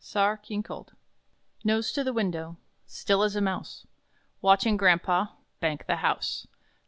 SAARCHINKOLD! Nose to window, Still as a mouse, Watching grampa "Bank the house."